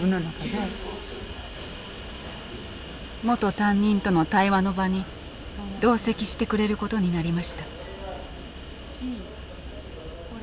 元担任との対話の場に同席してくれることになりました。